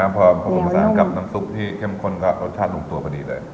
พอผสมผสานกับน้ำซุปที่เข้มข้นก็รสชาติลงตัวพอดีเลย